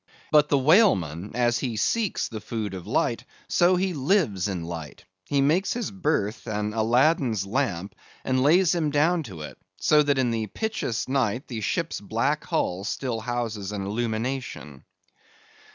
But the whaleman, as he seeks the food of light, so he lives in light. He makes his berth an Aladdin's lamp, and lays him down in it; so that in the pitchiest night the ship's black hull still houses an illumination.